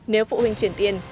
nếu phụ huynh chuyển tiền